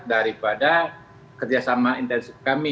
daripada kerjasama intensif kami